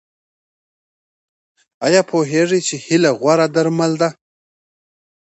ایا پوهیږئ چې هیله غوره درمل ده؟